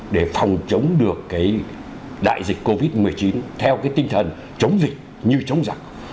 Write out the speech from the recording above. để phòng chống được cái đại dịch covid một mươi chín theo cái tinh thần chống dịch như chống giặc